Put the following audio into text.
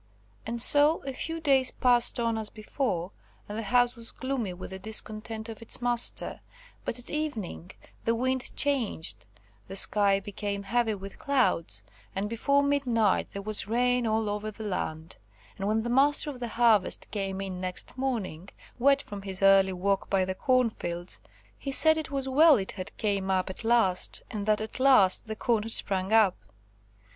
And so a few days passed on as before, and the house was gloomy with the discontent of its master, but at evening, the wind changed, the sky became heavy with clouds and before midnight there was rain all over the land; and when the Master of the Harvest came in next morning, wet from his early walk by the corn fields, he said it was well it had came up at last, and that, at last, the corn had sprung up.